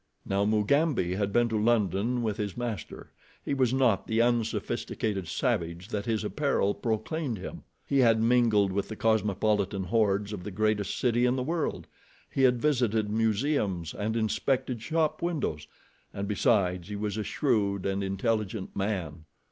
Now Mugambi had been to London with his master. He was not the unsophisticated savage that his apparel proclaimed him. He had mingled with the cosmopolitan hordes of the greatest city in the world; he had visited museums and inspected shop windows; and, besides, he was a shrewd and intelligent man.